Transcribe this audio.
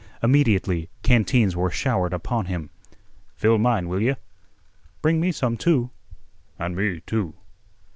Immediately canteens were showered upon him. "Fill mine, will yeh?" "Bring me some, too." "And me, too."